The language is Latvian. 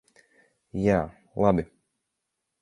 Jā, labi.